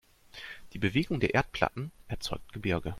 Die Bewegung der Erdplatten erzeugt Gebirge.